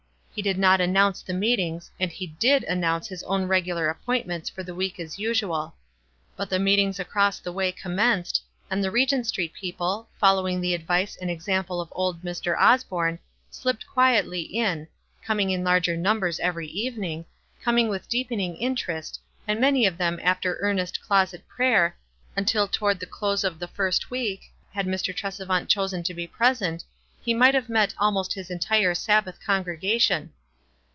He did not announce the meet ings, and he did announce his own regular ap pointments for the week as usual. But the meetings across the way commenced, and the Regent Street people, following the advice and example of old Mr. Osborne, "slipped quietly in," corning in larger numbers every evening — coming with deepening interest, and many of them after earnest closet prayer, until toward the close of the first week, had Mr. Tresevaut chosen to be present, he might have met al most his entire Sabbath congregation.